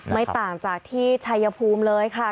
ไม่ต่างจากที่ชัยภูมิเลยค่ะ